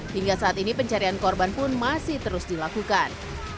hingga saat ini pencarian korban pun masih terus dilakukan